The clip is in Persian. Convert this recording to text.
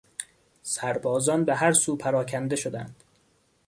سربازان به هر سو پراکنده شدند.